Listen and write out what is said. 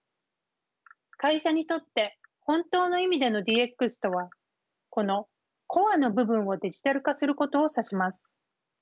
会社にとって本当の意味でのＤＸとはこのコアの部分をデジタル化することを指します。